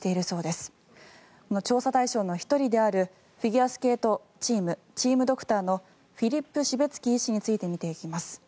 この調査対象の１人であるフィギュアスケートチームドクターのフィリップ・シュベツキー医師について見ていきます。